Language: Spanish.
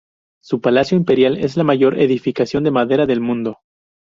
Su palacio imperial es la mayor edificación de madera del mundo.